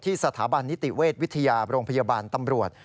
สถาบันนิติเวชวิทยาโรงพยาบาลตำรวจ